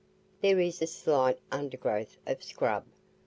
There is a slight undergrowth of scrub.